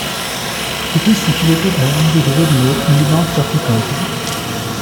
It is situated along the river Nore in the north of the county.